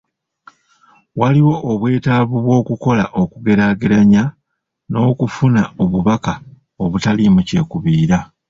Waaliwo obwetaavu bw’okukola okugeraageranya n’okufuna obubaka obutaliimu kyekubiira.